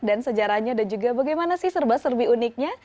dan sejarahnya dan juga bagaimana sih serba serbi uniknya